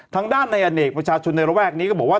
ทางด้านในอเนกประชาชนในระแวกนี้ก็บอกว่า